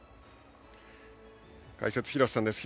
解説、廣瀬さんです。